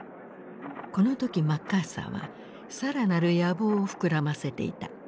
この時マッカーサーはさらなる野望を膨らませていた。